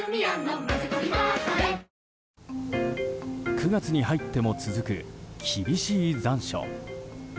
９月に入っても続く厳しい残暑。